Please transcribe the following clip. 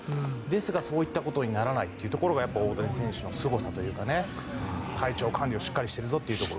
ですが、そういったことにならないというのが大谷選手のすごさというか体調管理をしっかりしているぞというところ。